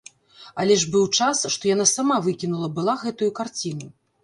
Але ж быў час, што яна сама выкінула была гэтую карціну!